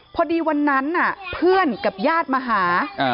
พอดีวันนั้นเพื่อนกับญาติมาหา